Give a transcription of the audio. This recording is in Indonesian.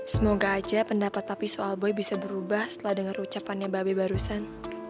semoga aja pendapat papi soal boy bisa berubah setelah denger ucapannya babe barusan